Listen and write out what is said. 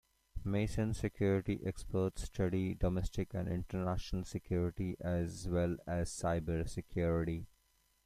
Mason's security experts study domestic and international security as well as cyber security.